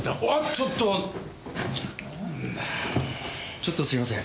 ちょっとすいません。